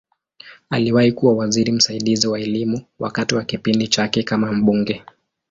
Aliwahi kuwa waziri msaidizi wa Elimu wakati wa kipindi chake kama mbunge.